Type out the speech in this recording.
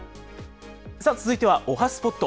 続いてはおはＳＰＯＴ。